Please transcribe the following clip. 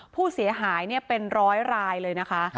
ผู้เสียหายเป็นร้อยรายเลยนะคะ